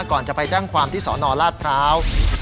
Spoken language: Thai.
ก่อนจะไปแจ้งความที่สนราชพร้าว